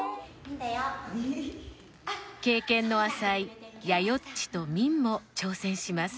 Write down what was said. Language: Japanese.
経験の浅いやよっちとみんも挑戦します。